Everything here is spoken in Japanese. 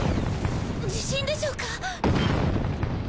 地震でしょうか？